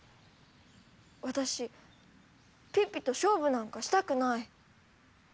私ピッピと勝負なんかしたくない。